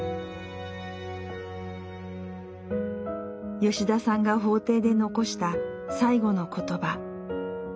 吉田さんが法廷で残した最後の言葉。